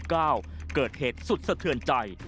๕กรกฎาคม๒๕๓๙เกิดเหตุสุดสะเทือนใจ